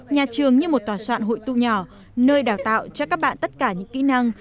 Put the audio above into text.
nhà trường như một tòa soạn hội tụ nhỏ nơi đào tạo cho các bạn tất cả những kỹ năng